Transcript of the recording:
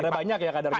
ada banyak ya kadarnya